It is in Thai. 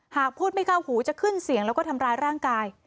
หากพูดไม่เข้าหูจะขึ้นเสียงแล้วก็ทำร้ายร่างกาย